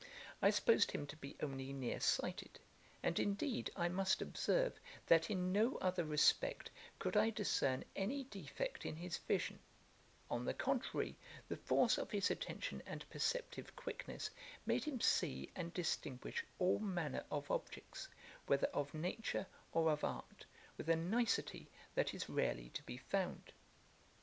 I supposed him to be only near sighted; and indeed I must observe, that in no other respect could I discern any defect in his vision; on the contrary, the force of his attention and perceptive quickness made him see and distinguish all manner of objects, whether of nature or of art, with a nicety that is rarely to be found.